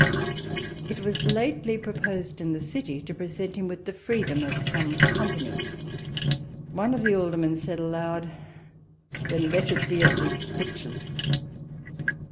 It was lately proposed in the city to present him with the freedom of son^'? company ; one of the aldermen said aloud, "Then let it be of the Butchers!